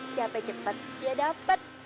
siapai cepet dia dapet